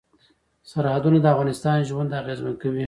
سرحدونه د افغانانو ژوند اغېزمن کوي.